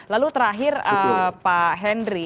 lalu terakhir pak hendry